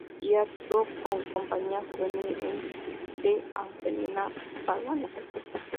Y actuó con "Compañía juvenil de Angelina Pagano".